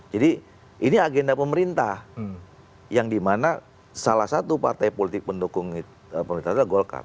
jadi ini agenda pemerintah yang dimana salah satu partai politik pendukung pemerintah adalah golkar